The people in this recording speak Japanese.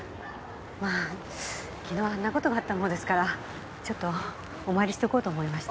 まあ昨日あんな事があったもんですからちょっとお参りしとこうと思いまして。